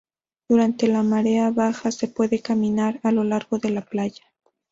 Durante la marea baja, se puede caminar a lo largo de la playa.